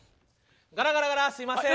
ガラガラガラすいません。